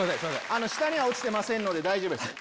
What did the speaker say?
下には落ちてませんので大丈夫です。